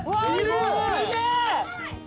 すげえ！